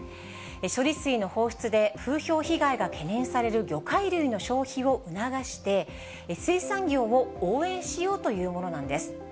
処理水の放出で風評被害が懸念される魚介類の消費を促して、水産業を応援しようというものなんです。